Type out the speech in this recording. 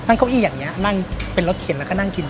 นั่งเข้าอีกอย่างเงี้ยนั่งเป็นรถเขียนแล้วก็นั่งกินเลย